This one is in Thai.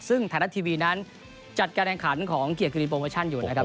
ซึ่งไทยรัฐทีวีนั้นจัดการแข่งขันของเกียรติกิริโปรโมชั่นอยู่นะครับ